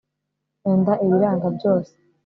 nkunda ibiranga byose